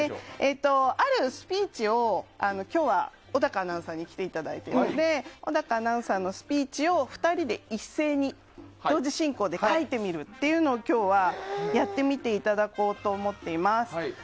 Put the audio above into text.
あるスピーチを今日は小高アナウンサーに来ていただいているので小高アナウンサーのスピーチを２人で一斉に同時進行で書いてみるのを今日はやってみていただこうと思っています。